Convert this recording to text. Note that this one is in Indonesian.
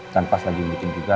dan pas lagi meeting juga